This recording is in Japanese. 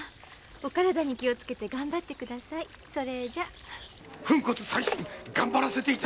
「お体に気をつけて頑張ってください」だと！